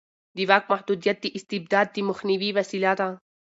د واک محدودیت د استبداد د مخنیوي وسیله ده